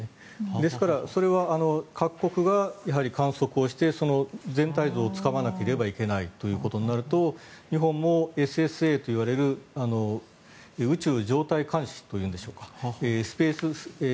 ですからそれは各国がやはり観測をして全体像をつかまなければいけないということになると日本もＳＳＡといわれる宇宙状態監視というんでしょうか